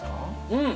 うん！